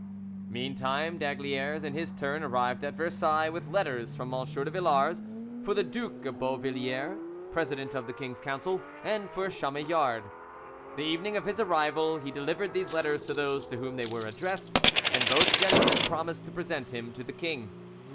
Meantime d'Aygaliers, in his turn, arrived at Versailles, with letters from M. de Villars for the Duke of Beauvilliers, president of the king's council, and for Chamillard. The evening of his arrival he delivered these letters to those to whom they were addressed, and both gentlemen promised to present him to the king.